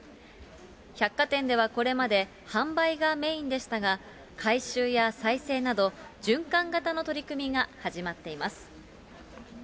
百貨店ではこれまで、販売がメインでしたが、回収や再生など、循環型の取り組みが始まっています。